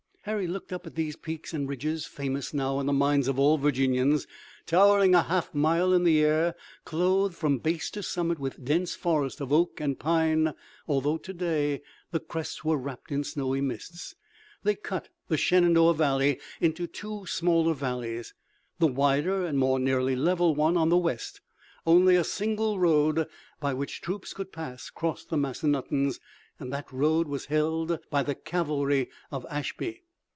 Harry looked up at these peaks and ridges, famous now in the minds of all Virginians, towering a half mile in the air, clothed from base to summit with dense forest of oak and pine, although today the crests were wrapped in snowy mists. They cut the Shenandoah valley into two smaller valleys, the wider and more nearly level one on the west. Only a single road by which troops could pass crossed the Massanuttons, and that road was held by the cavalry of Ashby.